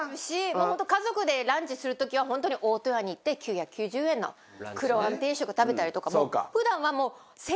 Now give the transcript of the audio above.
ホント家族でランチする時は大戸屋に行って９９０円の黒あん定食食べたりとか。